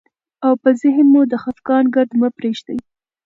او په ذهن مو د خفګان ګرد مه پرېږدئ،